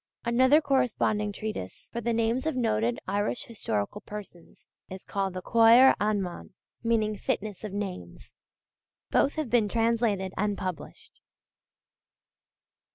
Another corresponding treatise for the names of noted Irish historical persons is called the Cóir Anmann, meaning 'fitness of names.' Both have been translated and published.